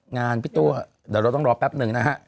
งานพี่ตัวเดี๋ยวเราต้องรอแป๊บหนึ่งนะฮะ